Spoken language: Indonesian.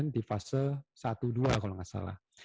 di fase satu dua kalau nggak salah